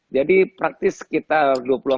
jadi praktis sekitar